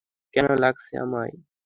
কেমন লাগছে আমায়?